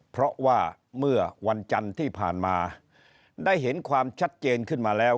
เพราะว่าเมื่อวันจันทร์ที่ผ่านมาได้เห็นความชัดเจนขึ้นมาแล้ว